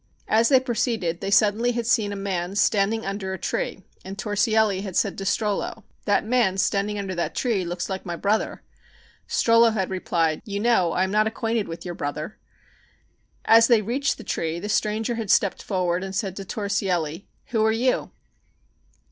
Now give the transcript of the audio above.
As they proceeded they suddenly had seen a man standing under a tree and Torsielli had said to Strollo: "That man standing under that tree looks like my brother." Strollo had replied: "You know I am not acquainted with your brother." As they reached the tree the stranger had stepped forward and said to Torsielli: "Who are you?"